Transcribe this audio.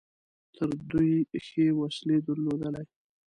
تر دوی ښې وسلې درلودلې.